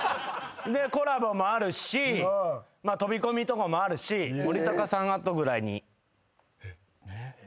コラボもあるし飛び込みとかもあるし森高さん後ぐらいに。